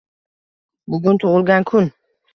Bugun tug‘ilgan kun